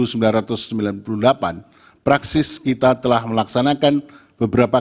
oleh jatuhnya resim non demokratis pada tahun seribu sembilan ratus sembilan puluh delapan praksis kita telah melaksanakan beberapa